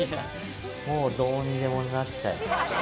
もうどうにでもなっちゃえ。